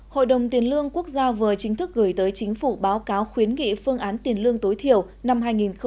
hội đồng tiền lương quốc gia vừa chính thức gửi tới chính phủ báo cáo khuyến nghị phương án tiền lương tối thiểu năm hai nghìn hai mươi